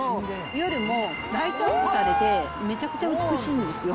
夜もライトアップされて、めちゃくちゃ美しいんですよ。